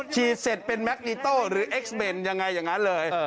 ฉีดเสร็จเป็นแมคนิโต้หรือเอ็กซ์เบนยังไงอย่างนั้นเลย